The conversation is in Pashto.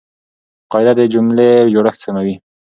قاعده د جملې جوړښت سموي.